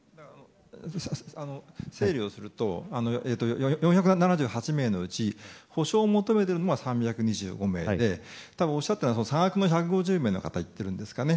整理をすると、４７８名のうち補償を求めているのが３２５名でおっしゃっていたのは差額の１５０名の方をおっしゃっているんですかね。